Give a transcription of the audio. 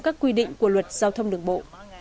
các quy định của luật giao thông đường bộ